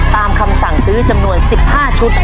คำสั่งซื้อจำนวน๑๕ชุด